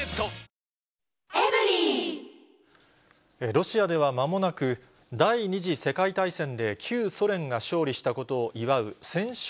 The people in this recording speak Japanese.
ロシアではまもなく、第２次世界大戦で旧ソ連が勝利したことを祝う戦勝